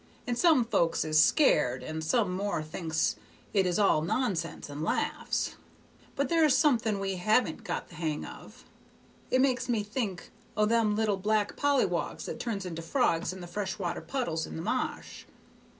And some folks is scared, and some more thinks it is all nonsense and laughs. But there's something we haven't got the hang of.' It makes me think o' them little black polliwogs that turns into frogs in the fresh water puddles in the ma'sh.